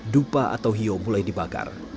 dupa atau hiu mulai dibakar